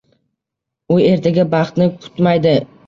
U ertaga baxtni kutmaydi.